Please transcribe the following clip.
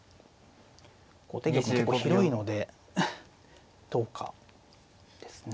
後手玉も結構広いのでどうかですね。